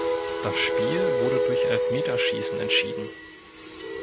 Das Spiel wurde durch Elfmeterschießen entschieden.